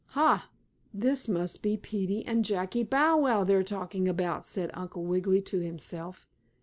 "Ha! This must be Peetie and Jackie Bow Wow they are talking about," said Uncle Wiggily to himself.